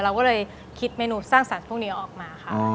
เราก็เลยคิดเมนูสร้างสรรค์พวกนี้ออกมาค่ะ